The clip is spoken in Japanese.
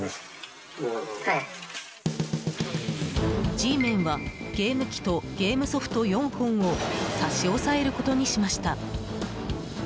Ｇメンはゲーム機とゲームソフト４本を差し押さえることにしました。